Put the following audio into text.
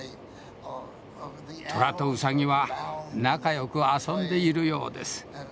虎とウサギは仲良く遊んでいるようです。